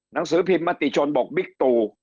หนังสือพิมพ์มติชนบอกบิ๊กตู